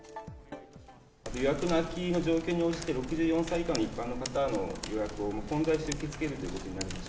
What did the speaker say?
予約の空きの状況に応じて、６４歳以下一般の方の予約も混在して受け付けるということになる